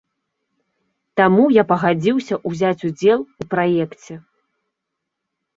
Таму я пагадзіўся ўзяць удзел у праекце.